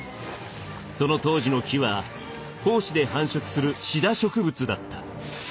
その当時の木は胞子で繁殖するシダ植物だった。